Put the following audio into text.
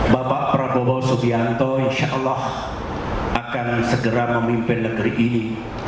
bapak prabowo subianto insya allah akan segera memimpin negeri ini